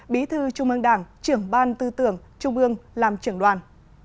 bí thư trung ương đảng trưởng ban tư tưởng trung ương làm trưởng đoàn